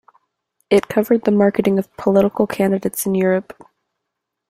It covered the marketing of political candidates in Europe.